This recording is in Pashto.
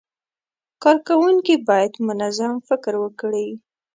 کارکوونکي باید منظم فکر وکړي.